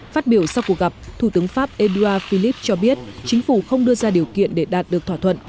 phát biểu sau cuộc gặp thủ tướng pháp edouard philippe cho biết chính phủ không đưa ra điều kiện để đạt được thỏa thuận